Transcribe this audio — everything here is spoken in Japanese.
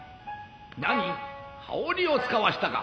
「ナニ羽織を遣わしたか。